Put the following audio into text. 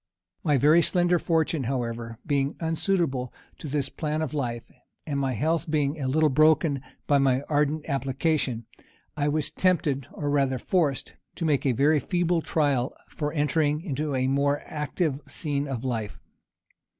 My very slender fortune, however, being unsuitable to this plan of life, and my health being a little broken by my ardent application, I was tempted, or rather forced, to make a very feeble trial for entering into a more active scene of life.